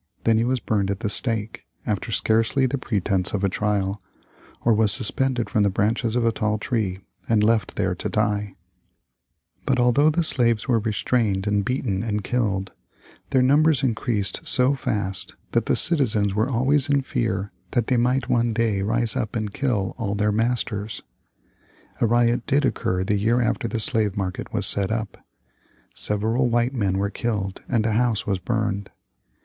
Then he was burned at the stake, after scarcely the pretence of a trial; or was suspended from the branches of a tall tree and left there to die. [Illustration: The Slave Market. From an Old Print.] But although the slaves were restrained and beaten and killed, their numbers increased so fast that the citizens were always in fear that they might one day rise up and kill all their masters. A riot did occur the year after the slave market was set up. Several white men were killed and a house was burned.